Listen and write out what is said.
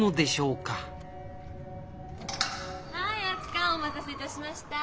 カンお待たせいたしました。